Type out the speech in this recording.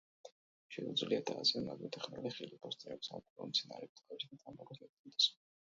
შეუძლიათ დააზიანონ აგრეთვე ხმელი ხილი, ბოსტნეული, სამკურნალო მცენარეები, ტყავისა და თამბაქოს ნედლეული და სხვა.